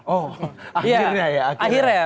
oh akhirnya ya